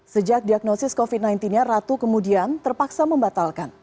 sejak diagnosis covid sembilan belas nya ratu kemudian terpaksa membatalkan